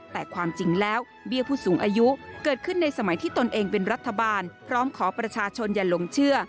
แต่ความจริงแล้วเบี้ยผู้สูงอายุเกิดขึ้นในสมัยที่ตนเองเป็นรัฐบาลพร้อมขอประชาชนอย่าหลงเชื่อ